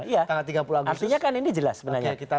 iya artinya kan ini jelas sebenarnya